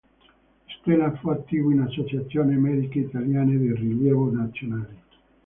Stella fu attivo in associazioni mediche italiane di rilievo nazionali.